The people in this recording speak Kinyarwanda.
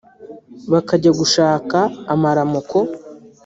bakajya gushaka amaramuko